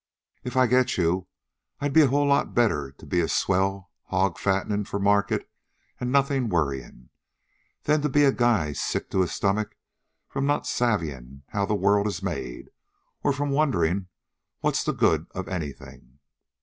If I get you, I'd be a whole lot better to be a swell hog fattenin' for market an' nothin' worryin', than to be a guy sick to his stomach from not savvyin' how the world is made or from wonderin' what's the good of anything."